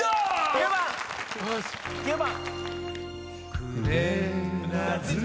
９番。